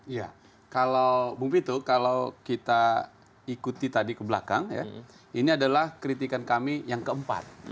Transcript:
iya kalau bung pito kalau kita ikuti tadi ke belakang ya ini adalah kritikan kami yang keempat